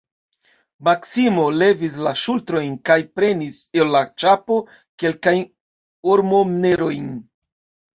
Maksimo levis la ŝultrojn kaj prenis el la ĉapo kelkajn ormonerojn.